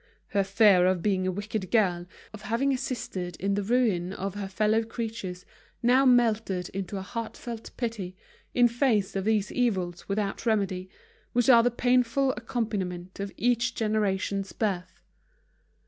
Her fear of being a wicked girl, of having assisted in the ruin of her fellow creatures, now melted into a heartfelt pity, in face of these evils without remedy, which are the painful accompaniment of each generation's birth.